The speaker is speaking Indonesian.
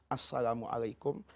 as salamu alaikum